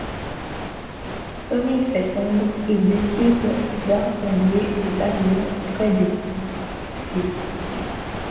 Comme il fait sombre, ils décident d'incendier le pavillon près du gué.